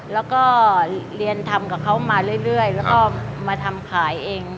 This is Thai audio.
แล้วก็เรียนทำกับเขามาเรื่อยแล้วก็มาทำขายเอง